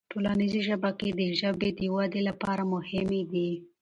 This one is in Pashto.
ټولنیزې شبکې د ژبې د ودې لپاره مهمي دي